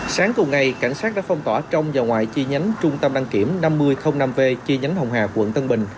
sáng cùng ngày cảnh sát đã phong tỏa trong và ngoài chi nhánh trung tâm đăng kiểm năm v chi nhánh hồng hà quận tân bình